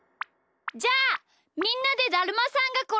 じゃあみんなでだるまさんがころんだをしよう！